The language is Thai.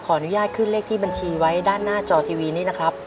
อนุญาตขึ้นเลขที่บัญชีไว้ด้านหน้าจอทีวีนี้นะครับ